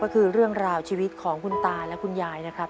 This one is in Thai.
ก็คือเรื่องราวชีวิตของคุณตาและคุณยายนะครับ